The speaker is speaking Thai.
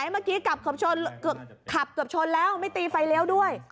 แล้วเมื่อกี้กลับเกือบชนขับเกือบชนแล้วไม่ตีไฟเลี้ยวด้วย